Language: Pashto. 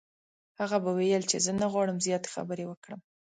هغه به ویل چې زه نه غواړم زیاتې خبرې وکړم.